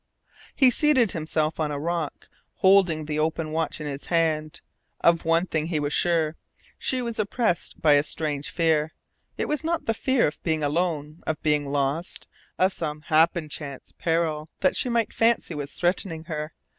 He seated himself on a rock, holding the open watch in his hand. Of one thing he was sure. She was oppressed by a strange fear. It was not the fear of being alone, of being lost, of some happen chance peril that she might fancy was threatening her.